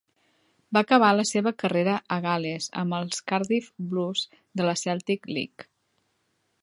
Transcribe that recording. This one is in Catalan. Va acabar la seva carrera a Gal·les amb els Cardiff Blues de la Celtic League.